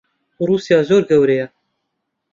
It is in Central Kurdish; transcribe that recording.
ڕووسیا زۆر گەورەیە.